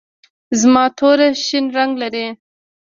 زما توره شین رنګ لري.